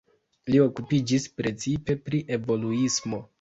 Li okupiĝis precipe pri evoluismo.